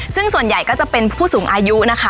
ซึ่งส่วนใหญ่ก็จะเป็นผู้สูงอายุนะคะ